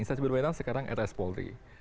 instansi berbeda sekarang rs polri